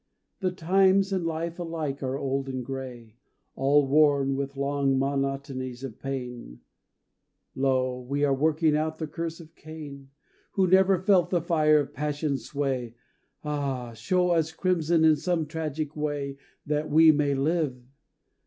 The times and life alike are old and grey, All worn with long monotonies of pain. Lo we are working out the curse of Cain, Who never felt the fire of passion's sway. Ah show us crimson in some tragic way That we may live!